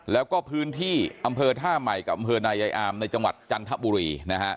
แล้วก็พื้นที่อำเภอท่าใหม่กับอำเภอนายายอามในจังหวัดจันทบุรีนะฮะ